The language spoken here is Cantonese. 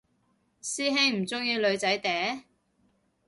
師兄唔鍾意女仔嗲？